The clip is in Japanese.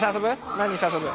何して遊ぶ？